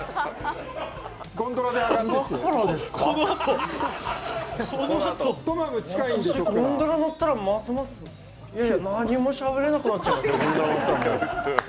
ゴンドラ乗ったら、ますます何もしゃべれなくなっちゃいますよ。